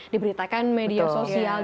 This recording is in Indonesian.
diberitakan media sosial